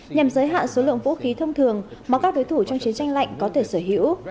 nhằm giới hạn số lượng vũ khí thông thường mà các đối thủ trong chiến tranh lạnh có thể sở hữu